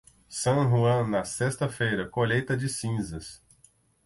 San Juan na sexta-feira, colheita de cinzas.